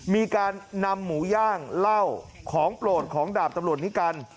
มีการนำหมูย่างเหล้าของโปรดของดาบตำรวจนิกัล